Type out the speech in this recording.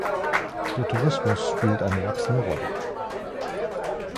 Der Tourismus spielt eine wachsende Rolle.